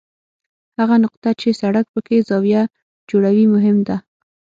هغه نقطه چې سړک پکې زاویه جوړوي مهم ده